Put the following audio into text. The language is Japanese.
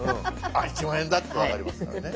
あっ１０，０００円だって分かりますからね。